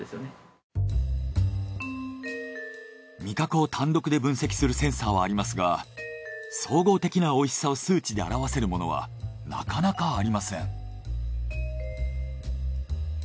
味覚を単独で分析するセンサーはありますが総合的な美味しさを数値で表せるものはなかなかありません。